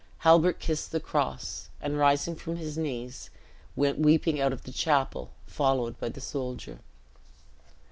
Halbert kissed the cross, and rising from his knees, went weeping out of the chapel, followed by the soldier.